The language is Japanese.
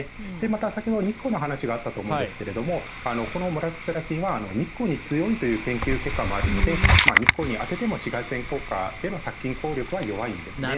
また先ほど日光の話があったと思うんですがこのモラクセラ菌は日光に強いという研究結果もあるので日光に当てても紫外線効果の殺菌効力は弱いんですね。